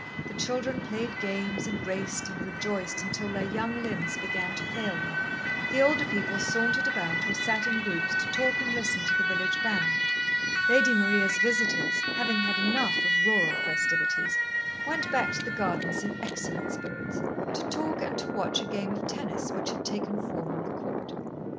The children played games and raced and rejoiced until their young limbs began to fail them. The older people sauntered about or sat in groups to talk and listen to the village band. Lady Maria's visitors, having had enough of rural festivities, went back to the gardens in excellent spirits, to talk and to watch a game of tennis which had taken form on the court.